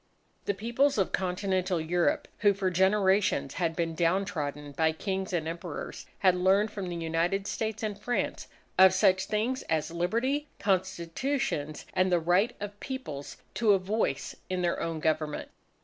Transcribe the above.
The Peoples of Continental Europe, who for generations had been down trodden by Kings and Emperors, had learned from the United States and France, of such things as Liberty, Constitutions, and the right of Peoples to a voice in their own government.